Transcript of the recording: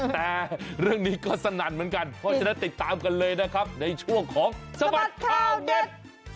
แต่เรื่องนี้ก็สนั่นเหมือนกันเพราะฉะนั้นติดตามกันเลยนะครับในช่วงของสบัดข่าวเด็ด